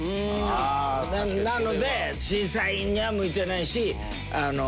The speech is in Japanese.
なので審査員には向いてないしあの。